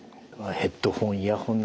ヘッドホン・イヤホン